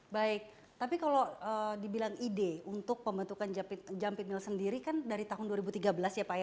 baik tapi kalau dibilang ide untuk pembentukan jampit mill sendiri kan dari tahun dua ribu tiga belas ya pak ya